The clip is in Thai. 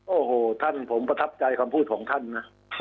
โอ้โหท่านผมประทับใจคำพูดของท่านนะ